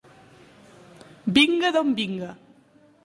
Vinga d'on vinga.